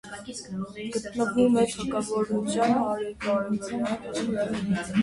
Գտնվում է թագավորության հարավարևելյան հատվածում։